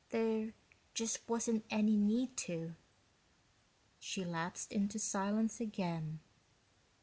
There just wasn't any need to." She lapsed into silence again.